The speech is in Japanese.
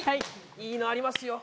いいのありますよ。